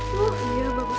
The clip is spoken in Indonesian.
tuh iya bagus